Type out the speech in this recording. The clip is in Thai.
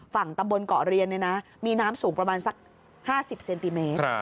ฝั่งตำบลเกาะเรียนมีน้ำสูงประมาณสัก๕๐เซนติเมตร